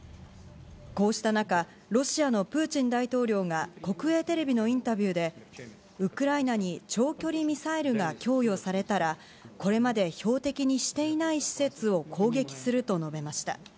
こうした中、ロシアのプーチン大統領が国営テレビのインタビューで、ウクライナに長距離ミサイルが供与されたら、これまで標的にしていない施設を攻撃すると述べました。